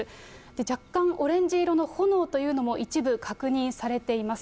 若干オレンジ色の炎というのも一部確認されています。